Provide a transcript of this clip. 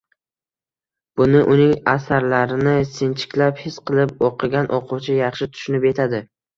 Buni uning asarlarini sinchiklab, his qilib o‘qigan o‘quvchi yaxshi tushunib yetadi